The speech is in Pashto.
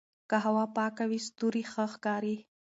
که هوا پاکه وي ستوري ښه ښکاري.